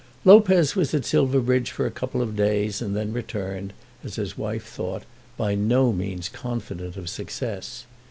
Lopez was at Silverbridge for a couple of days, and then returned, as his wife thought, by no means confident of success.